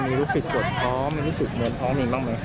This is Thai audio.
มีรู้สึกกลัวท้องจริงมีรู้สึกกลัวท้องยังไหม